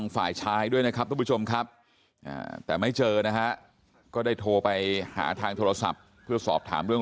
มาเนี่ยเขามาเฮดเซียนถ่ายยุนเอง